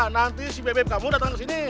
nanti si bebek kamu datang ke sini